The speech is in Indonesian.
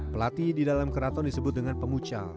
pelatih di dalam keraton disebut dengan pemucal